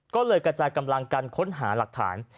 ก็เลยกระจายกำลังกันค้นหาหลักฐาน